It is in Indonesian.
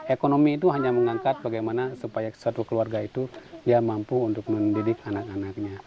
ekonomi itu hanya mengangkat bagaimana supaya satu keluarga itu dia mampu untuk mendidik anak anaknya